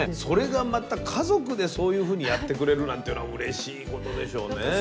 それがまた家族でそういうふうにやってくれるなんていうのはうれしいことでしょうね。